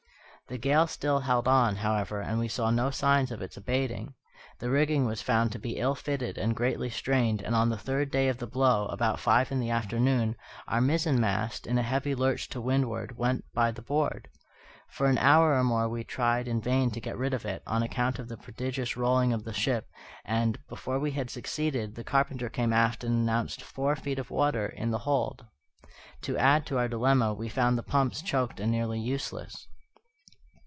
The gale still held on, however, and we saw no signs of its abating. The rigging was found to be ill fitted and greatly strained; and on the third day of the blow, about five in the afternoon, our mizzen mast, in a heavy lurch to windward, went by the board. For an hour or more we tried in vain to get rid of it, on account of the prodigious rolling of the ship; and, before we had succeeded, the carpenter came aft and announced four feet water in the hold. To add to our dilemma, we found the pumps choked and nearly useless.